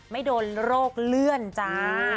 ไม่โดนโรครื่นเจ๊า